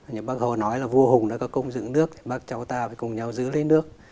như bác hồ nói là vua hùng đã có công dựng nước bác cháu ta phải cùng nhau giữ lấy nước